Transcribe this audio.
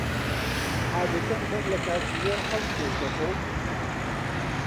عادەتەن بەر لە کاتژمێر حەوت تێشت دەخۆن؟